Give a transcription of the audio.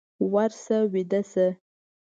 ورشه ويده شه!